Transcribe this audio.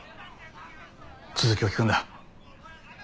続きを聞くんだ。